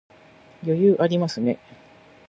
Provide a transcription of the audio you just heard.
余裕ありますね